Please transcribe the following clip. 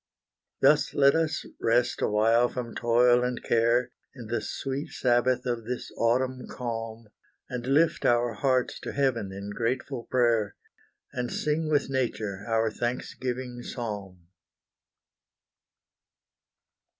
Thus let us rest awhile from toil and care, In the sweet sabbath of this autumn calm, And lift our hearts to heaven in grateful prayer, And sing with nature our thanksgiving psalm.